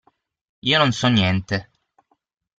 Io non so niente.